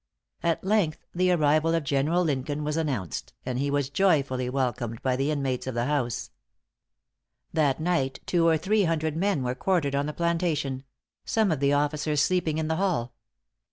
At length the arrival of General Lincoln was announced; and he was joyfully welcomed by the inmates of the house. That night two or three hundred men were quartered on the plantation some of the officers sleeping in the hall.